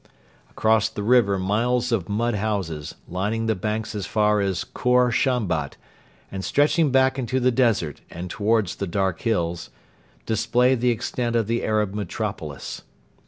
Across the river miles of mud houses, lining the banks as far as Khor Shambat, and stretching back into the desert and towards the dark hills, display the extent of the Arab metropolis.